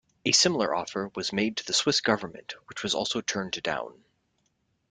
A similar offer was made to the Swiss government which was also turned down.